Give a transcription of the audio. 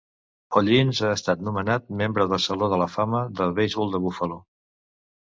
Hollins ha estat nomenat membre del saló de la fama de beisbol de Buffalo.